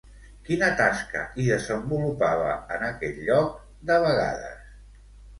Quina tasca hi desenvolupava en aquell lloc de vegades?